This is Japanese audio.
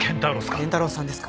賢太郎さんですか？